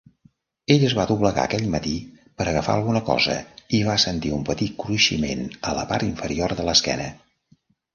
Ell es va doblegar aquell matí per agafar alguna cosa i va sentir un petit cruiximent a la part inferior de l'esquena.